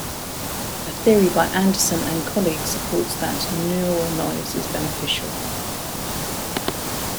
A theory by Anderson and colleagues supports that neural noise is beneficial.